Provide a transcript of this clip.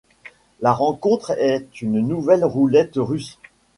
La rencontre est une nouvelle roulette russe.